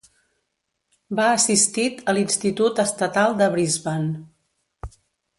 Va assistit a l'institut estatal de Brisbane.